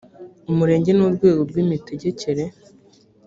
umurenge ni urwego rw imitegekere